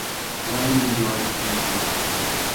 Wang enjoys painting.